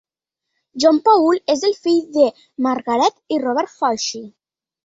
John Paul és el fill de Margaret i Robert Foschi.